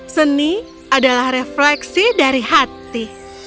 seni adalah refleksi dari hati